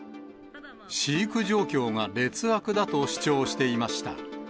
飼育状況が劣悪だと主張していました。